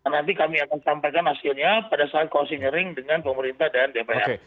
nanti kami akan sampaikan hasilnya pada saat closingering dengan pemerintah dan dpr